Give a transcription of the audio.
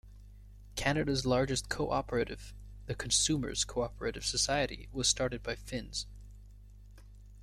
Canada's largest co-operative, the Consumers' Co-operative Society, was started by Finns.